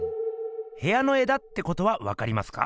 へやの絵だってことはわかりますか？